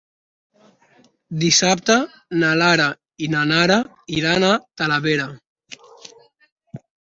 Dissabte na Lara i na Nara iran a Talavera.